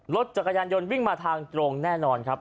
รถจักรยานยนต์วิ่งมาทางตรงแน่นอนครับ